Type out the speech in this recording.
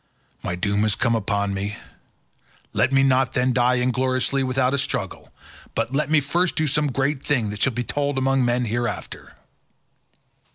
My doom has come upon me; let me not then die ingloriously and without a struggle, but let me first do some great thing that shall be told among men hereafter."